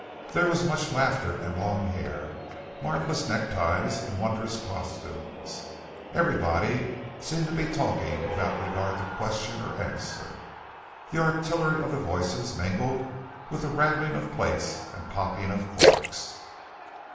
There was much laughter and long hair, marvellous neckties and wondrous costumes; everybody seemed to be talking without regard to question or answer; the artillery of the voices mingled with the rattling of plates and popping of corks.